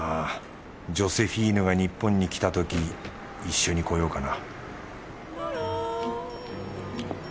ジョセフィーヌが日本に来たとき一緒に来ようかな